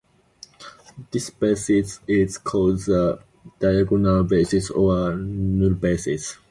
This basis is called the diagonal basis or null basis.